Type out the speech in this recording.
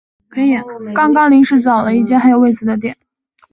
刚刚临时找了一间还有位子的店